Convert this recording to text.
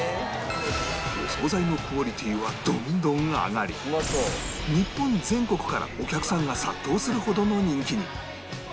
お惣菜のクオリティはどんどん上がり日本全国からお客さんが殺到するほどの人気に